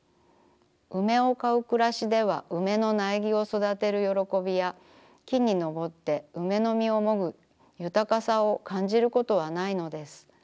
梅を買うくらしでは梅の苗木を育てるよろこびや木に登って梅の実をもぐゆたかさを感じることはないのです。